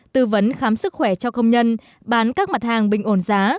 tư vấn khám sức khỏe cho công nhân bán các mặt hàng bình ổn giá